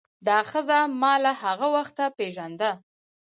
دا ښځه ما له هغه وخته پیژانده.